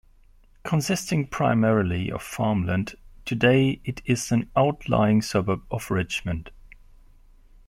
Consisting primarily of farmland, today it is an outlying suburb of Richmond.